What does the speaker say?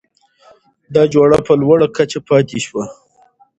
دا جوړه په لوړه کچه پاتې شوه؛